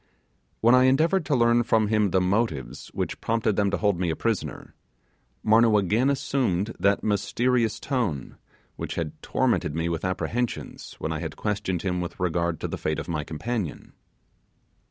When I endeavoured to learn from him the motives which prompted them to hold me a prisoner, Marnoo again presumed that mysterious tone which had tormented me with apprehension when I had questioned him with regard to the fate of my companion.